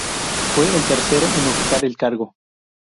Fue el tercero en ocupar el cargo.